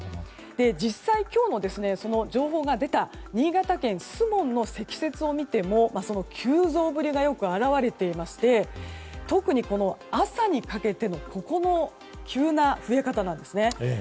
実際、今日の情報が出た新潟県守門の積雪を見てもその急増ぶりがよく表れていまして特に、朝にかけてが急な増え方なんですね。